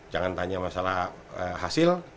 jangan tanya masalah hasil